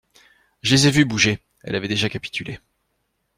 Je les ai vu bouger. Elle avait déjà capitulé.